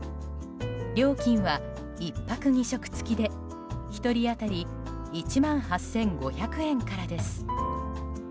料金は、１泊２食付きで１人当たり１万８５００円からです。